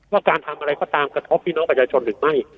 ว่าการทำอะไรก็ตามกระทบพี่น้องประชาชนหรือไม่